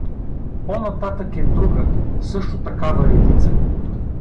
По-нататък е друга, също такава редица.